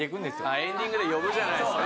あぁエンディングで呼ぶじゃないですか。